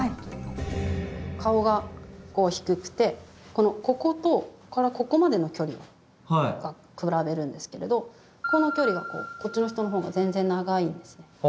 顔が低くてこことからここまでの距離を比べるんですけれどこの距離がこっちの人のほうが全然長いんですね。